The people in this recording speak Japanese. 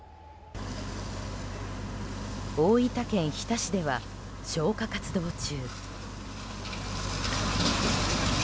大分県日田市では消火活動中。